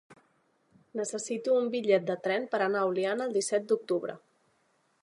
Necessito un bitllet de tren per anar a Oliana el disset d'octubre.